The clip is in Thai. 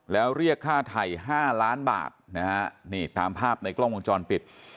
แล้วเรียกค่าไถ่๕ล้านบาทนะฮะนี่ตามภาพในกล้องวงจรปิด